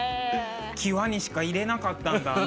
際にしかいれなかったんだあの。